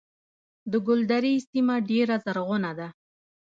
د ګلدرې سیمه ډیره زرغونه ده